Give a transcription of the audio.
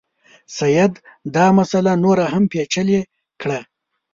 سید دا مسله نوره هم پېچلې کړه.